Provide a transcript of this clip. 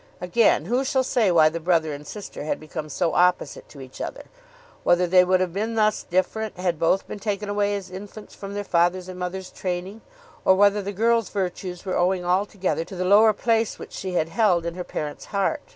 Again, who shall say why the brother and sister had become so opposite to each other; whether they would have been thus different had both been taken away as infants from their father's and mother's training, or whether the girl's virtues were owing altogether to the lower place which she had held in her parent's heart?